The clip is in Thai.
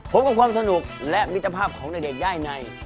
พบกับความสนุกและมิตรภาพของเด็กได้ใน